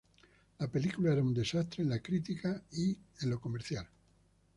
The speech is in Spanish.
La película era un desastre en la crítica y comercial.